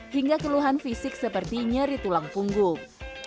hingga keluhan fisik seperti nyeri tulang punggung